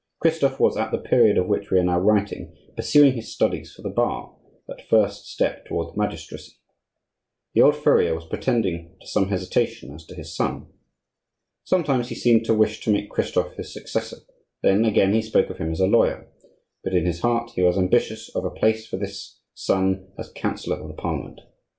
Christophe was, at the period of which we are now writing, pursuing his studies for the bar, that first step toward the magistracy. The old furrier was pretending to some hesitation as to his son. Sometimes he seemed to wish to make Christophe his successor; then again he spoke of him as a lawyer; but in his heart he was ambitious of a place for this son as Councillor of the Parliament.